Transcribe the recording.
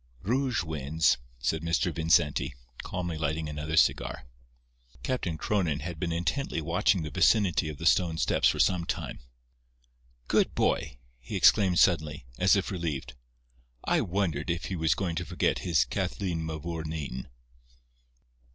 "Rouge wins," said Mr. Vincenti, calmly lighting another cigar. Captain Cronin had been intently watching the vicinity of the stone steps for some time. "Good boy!" he exclaimed suddenly, as if relieved. "I wondered if he was going to forget his Kathleen Mavourneen."